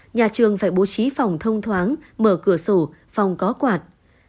nhà trường phải bố trí phòng thông thoáng mở cửa sổ phòng có quạt